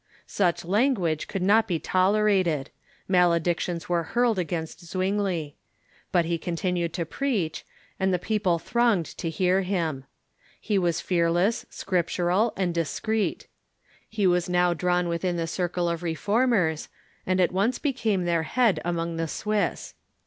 Such language could not be tolerated. Maledictions were hurled against Zwingli. But he continued to preach, and the people thronged to hear him. He was fearless, scriptural, and discreet. He was now drawn within the circle of Reform ers, and at once became their head among the Swiss.